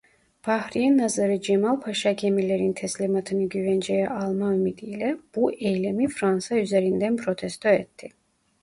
Bahriye Nazırı Cemal Paşa gemilerin teslimatını güvenceye alma ümidiyle bu eylemi Fransa üzerinden protesto etti.